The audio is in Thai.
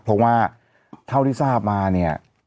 เพราะว่าเท่าที่ทราบมาเนี่ย